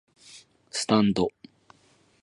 スタンド